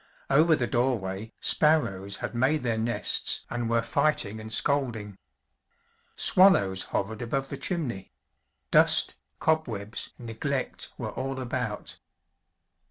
Over the doorway, sparrows had made their nests and were fighting and scolding. Swallows hovered above the chimney; dust, cobwebs, neglect were all about.